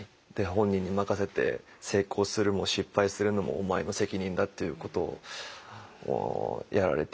本人に任せて成功するも失敗するのもお前の責任だっていうことをやられていて。